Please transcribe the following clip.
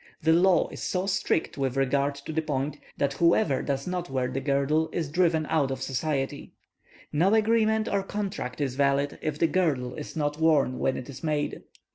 The law is so strict with regard to the point, that whoever does not wear the girdle is driven out of society. No agreement or contract is valid if the girdle is not worn when it is made.